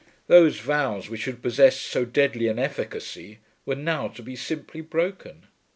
Those vows which had possessed so deadly an efficacy, were now to be simply broken!